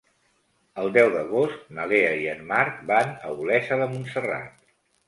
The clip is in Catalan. El deu d'agost na Lea i en Marc van a Olesa de Montserrat.